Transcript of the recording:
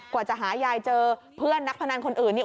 กว่าจะหายายเจอเพื่อนนักพนันคนอื่นนี่